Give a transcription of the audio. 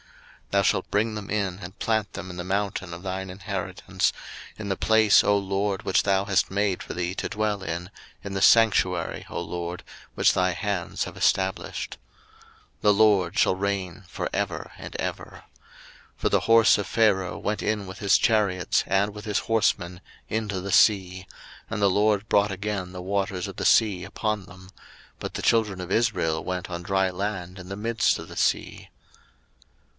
02:015:017 Thou shalt bring them in, and plant them in the mountain of thine inheritance, in the place, O LORD, which thou hast made for thee to dwell in, in the Sanctuary, O LORD, which thy hands have established. 02:015:018 The LORD shall reign for ever and ever. 02:015:019 For the horse of Pharaoh went in with his chariots and with his horsemen into the sea, and the LORD brought again the waters of the sea upon them; but the children of Israel went on dry land in the midst of the sea.